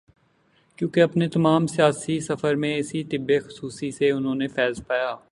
کیونکہ اپنے تمام سیاسی سفر میں اسی طب خصوصی سے انہوں نے فیض پایا۔